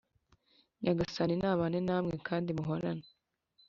nyagasani nabane namwe kandi muhorane